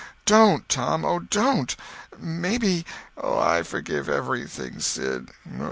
Don't, Tom—oh, don't. Maybe—" "I forgive everybody, Sid.